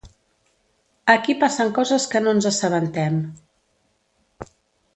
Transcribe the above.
Aquí passen coses que no ens assabentem.